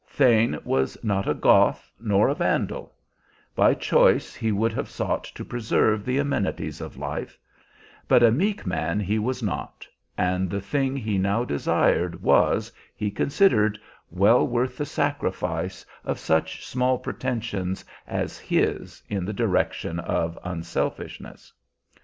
Thane was not a Goth nor a Vandal; by choice he would have sought to preserve the amenities of life; but a meek man he was not, and the thing he now desired was, he considered, well worth the sacrifice of such small pretensions as his in the direction of unselfishness.